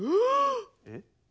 えっ。